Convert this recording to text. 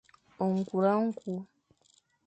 Nkura nku.